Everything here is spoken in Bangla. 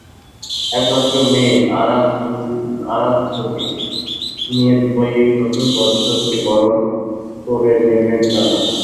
একমাত্র মেয়ে আরাধ্যকে নিয়ে দুবাইয়ে নতুন বছরকে বরণ করে নেবেন তাঁরা।